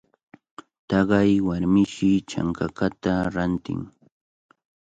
Taqay warmishi chankakata rantin.